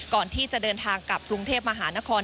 ก่อนที่จะเดินทางกลับกรุงเทพมหานคร